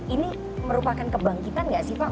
ini merupakan kebangkitan nggak sih pak